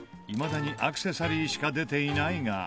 いまだにアクセサリーしか出ていないが。